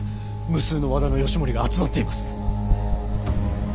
無数の和田義盛が集まっています！